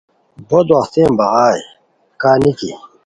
بو دواہتین بغائے کا نیکی